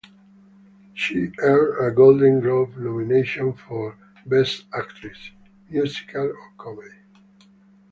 She earned a Golden Globe nomination for Best Actress - Musical or Comedy.